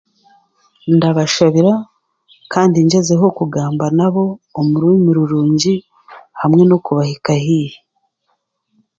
Ndabashabira kandi ngyezeho kugamba nabo omu rurimi rurungi hamwe n'okubahika haihi